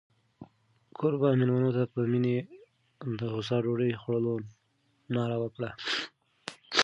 کوربه مېلمنو ته په مینه د هوسا ډوډۍ خوړلو ناره وکړه.